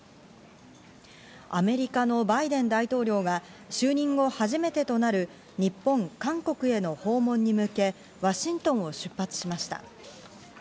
アメリカのバイデン大統領が就任後初めてとなる日本・韓国への訪問に向け、ワシントンを出発しました。